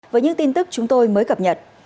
với những tin tức chúng tôi mới cập nhật